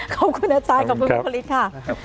ขอบคุณอาจารย์ขอบคุณบุคลิกค่ะ